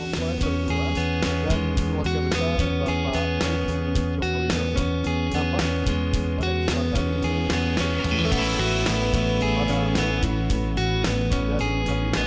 hai teman teman selamat datang di channel saya saya pak arief saya pembicara di jogja jawa tenggara